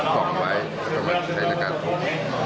ปล่องไว้และทั้งหมดเฉยนาการพบ